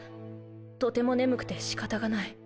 とても眠くて仕方がない。